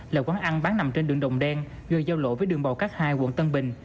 là quán ăn bán nằm trên đường đồng đen gần giao lộ với đường bào cát hai quận tân bình